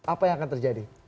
apa yang akan terjadi